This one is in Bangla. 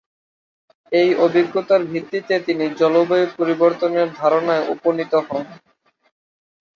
এই অভিজ্ঞতার ভিত্তিতে তিনি জলবায়ু পরিবর্তনের ধারণায় উপনীত হন।